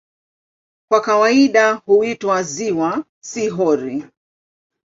Kwa kawaida huitwa "ziwa", si "hori".